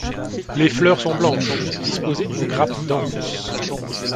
Les fleurs sont blanches, disposées en grappes denses.